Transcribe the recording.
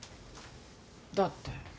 だって。